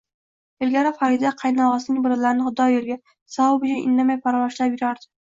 Ilgari Farida qaynog`asining bolalarini Xudo yo`liga, savob uchun indamay parvarishlab yurardi